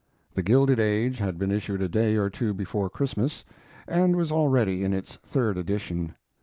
The Gilded Age had been issued a day or two before Christmas, and was already in its third edition.